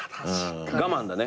我慢だね。